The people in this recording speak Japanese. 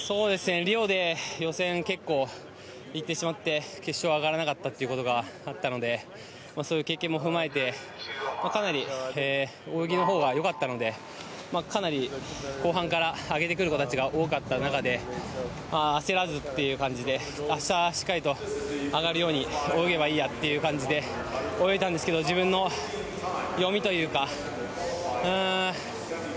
リオで予選結構いってしまって決勝上がらなかったということがあったのでそういう経験も踏まえてかなり泳ぎのほうは良かったのでかなり後半から上げてくる形が多かった中で焦らずという感じで明日、しっかりと上がるように泳げばいいやって感じで泳いでたんですけど自分の読みというか。